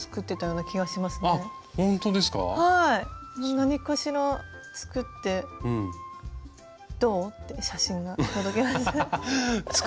何かしら作って「どう？」って写真が届きます。